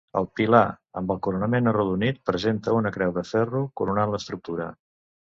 El pilar, amb el coronament arrodonit, presenta una creu de ferro coronant l'estructura.